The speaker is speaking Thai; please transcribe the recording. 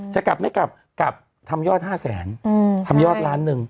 จะกลับไม่กลับกลับทำยอด๕แสนทำยอดล้านหนึ่ง